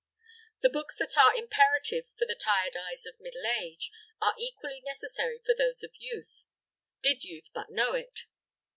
The books that are imperative for the tired eyes of middle age, are equally necessary for those of youth did youth but know it.